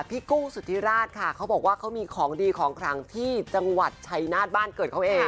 กุ้งสุธิราชค่ะเขาบอกว่าเขามีของดีของขลังที่จังหวัดชัยนาฏบ้านเกิดเขาเอง